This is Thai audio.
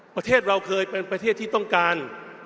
ประเทศเราเคยเป็นประเทศที่ต้องการ